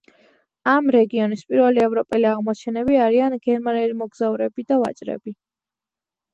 ამ რეგიონის პირველი ევროპელი აღმომჩენები არიან გერმანელი მოგზაურები და ვაჭრები.